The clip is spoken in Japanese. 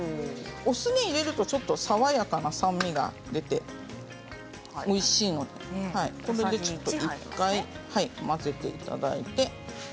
お酢を入れるとちょっと爽やかな酸味が出ておいしいので１回、混ぜていただいて。